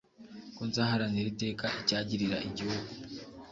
ko nzaharanira iteka icyagirira Igihugu